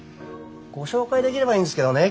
ご紹介できればいいんですけどね